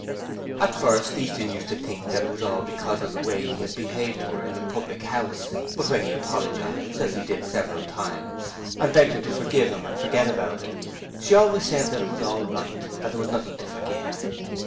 At first, Easton used to think that it was all because of the way he had behaved to her in the public house, but when he apologized as he did several times and begged her to forgive him and forget about it, she always said it was all right; there was nothing to forgive.